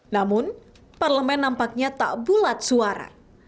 namun parlemen nampaknya tak bulat suara